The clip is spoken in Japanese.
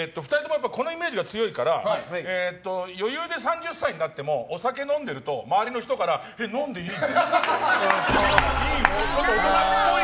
２人ともこのイメージが強いから余裕で３０歳になってもお酒飲んでると周りの人から飲んでいいの？って言われるっぽい。